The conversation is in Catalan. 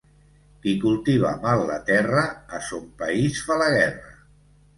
Qui cultiva mal la terra a son país fa la guerra.